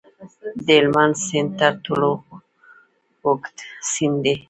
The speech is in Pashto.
د هلمند سیند تر ټولو اوږد سیند دی